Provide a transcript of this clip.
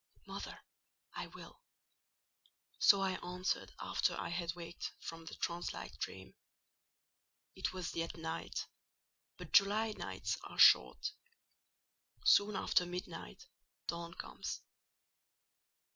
"Mother, I will." So I answered after I had waked from the trance like dream. It was yet night, but July nights are short: soon after midnight, dawn comes.